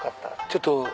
ちょっと。